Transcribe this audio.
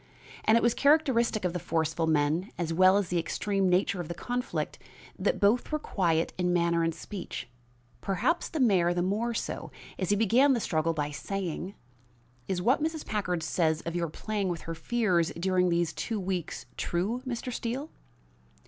And it was characteristic of the forceful men, as well as the extreme nature of the conflict, that both were quiet in manner and speech perhaps the mayor the more so, as he began the struggle by saying: "Is what Mrs. Packard says of your playing with her fears during these two weeks true, Mr. Steele?"